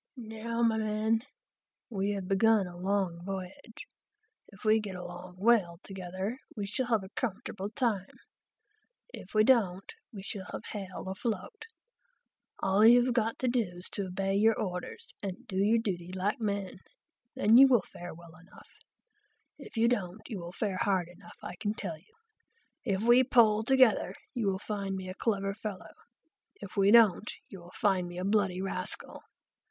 "Now, my men, we have begun a long voyage. If we get along well together, we shall have a comfortable time; if we don't, we shall have hell afloat. All you've got to do is to obey your orders and do your duty like men, then you'll fare well enough; if you don't, you'll fare hard enough, I can tell you. If we pull together, you'll find me a clever fellow; if we don't, you'll find me a bloody rascal.